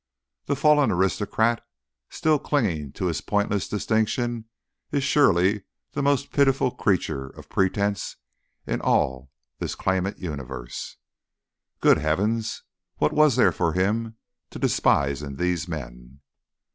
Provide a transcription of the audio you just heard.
The fallen aristocrat still clinging to his pointless distinction is surely the most pitiful creature of pretence in all this clamant universe. Good heavens! what was there for him to despise in these men?